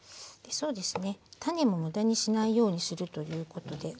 そうですね。